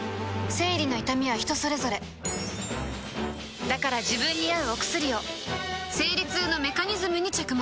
生理の痛みは人それぞれだから自分に合うお薬を生理痛のメカニズムに着目